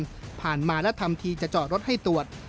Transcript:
ที่ผ่านมาและทำทีจะจอดรถให้ตรวจ